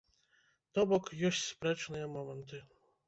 То бок, ёсць спрэчныя моманты.